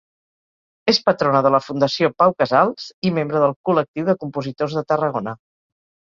És patrona de la Fundació Pau Casals i membre del Col·lectiu de Compositors de Tarragona.